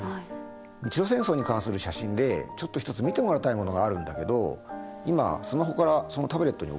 日露戦争に関する写真でちょっと一つ見てもらいたいものがあるんだけど今スマホからそのタブレットに送るね。